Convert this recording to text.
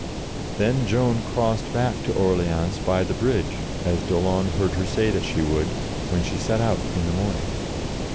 Then Joan crossed back to Orleans by the bridge, as d'Aulon heard her say that she would, when she set out in the morning.